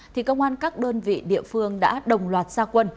thì công an các đơn vị địa phương đã đồng loạt gia quân